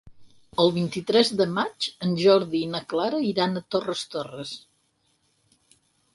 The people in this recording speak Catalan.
El vint-i-tres de maig en Jordi i na Clara iran a Torres Torres.